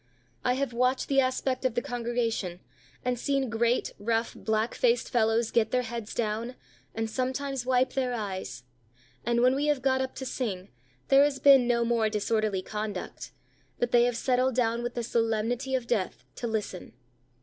I have watched the aspect of the congregation, and seen great, rough, black faced fellows get their heads down, and sometimes wipe their eyes; and when we have got up to sing, there has been no more disorderly conduct, but they have settled down with the solemnity of death, to listen.